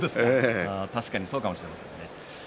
確かに高いかもしれませんね。